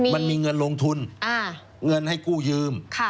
มันมีเงินลงทุนเงินให้กู้ยืม